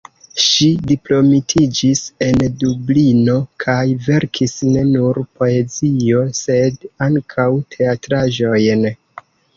Ŝi diplomitiĝis en Dublino, kaj verkis ne nur poezion, sed ankaŭ teatraĵojn.